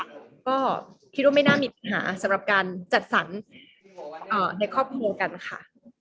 ก็คิดว่าไม่น่ามีปัญหาสำหรับการจัดสรรในครอบครัวกันค่ะ